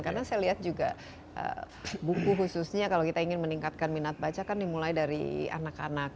karena saya lihat juga buku khususnya kalau kita ingin meningkatkan minat baca kan dimulai dari anak anak